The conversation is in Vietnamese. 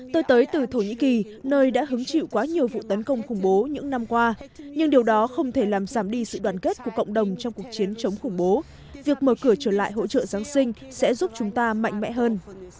tôi tới từ thổ nhĩ kỳ nơi đã hứng chịu quá nhiều vụ tấn công khủng bố những năm qua nhưng điều đó không thể làm giảm đi sự đoàn kết của cộng đồng trong cuộc chiến chống khủng bố việc mở cửa trở lại hỗ trợ giáng sinh sẽ giúp chúng ta mạnh mẽ hơn